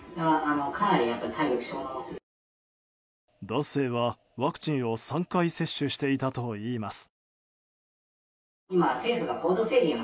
男性は、ワクチンを３回接種していたといいます。